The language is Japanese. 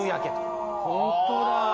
ホントだ。